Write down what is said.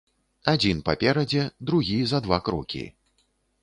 Адзін паперадзе, другі за два крокі.